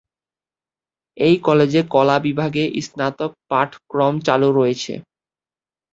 এই কলেজে কলা বিভাগে স্নাতক পাঠক্রম চালু রয়েছে।